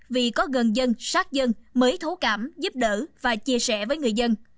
vì có gần dân sát dân mới thấu cảm giúp đỡ và chia sẻ với người dân